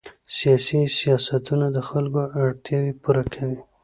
سیاسي سیاستونه د خلکو اړتیاوې پوره کوي